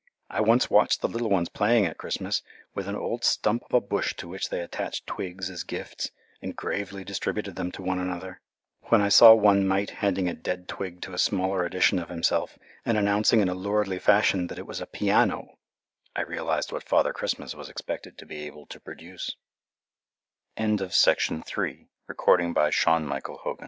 I once watched the little ones playing at Christmas with an old stump of a bush to which they attached twigs as gifts and gravely distributed them to one another. When I saw one mite handing a dead twig to a smaller edition of himself, and announcing in a lordly fashion that it was a PIANO, I realized what Father Christmas was expected to be able to p